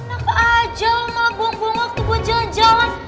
enak aja lu malah buang buang waktu gue jalan jalan